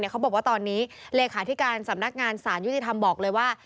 เขาบอกว่าตอนนี้เลขาธิการสำนักงานสารยุติธรรมบอกเลยว่า